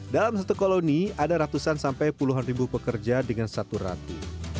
dalam satu koloni ada ratusan sampai puluhan ribu pekerja dengan satu ratu